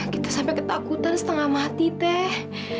kita sampai ketakutan setengah mati teh